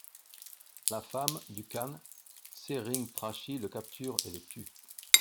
La femme, du khan, Tsering Trashi le capture et le tue.